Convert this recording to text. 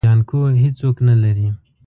جانکو هيڅوک نه لري.